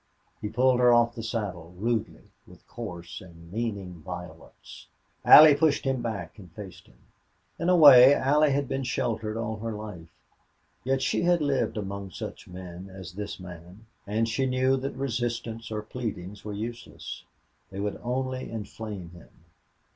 He pulled her off the saddle, rudely, with coarse and meaning violence. Allie pushed him back and faced him. In a way she had been sheltered all her life, yet she had lived among such men as this man, and she knew that resistance or pleadings were useless; they would only inflame him.